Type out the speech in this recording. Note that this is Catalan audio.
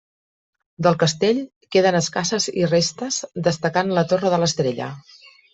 Del castell queden escasses restes, destacant la torre de l'Estrella.